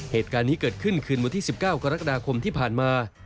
เหตุการณ์นี้เกิดขึ้นคืนวันที่๑๙กรกฎาคมที่ผ่านมา